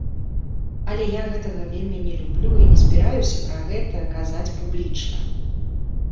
Але я гэтага вельмі не люблю і не збіраюся пра гэта казаць публічна.